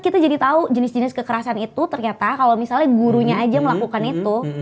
kita jadi tahu jenis jenis kekerasan itu ternyata kalau misalnya gurunya aja melakukan itu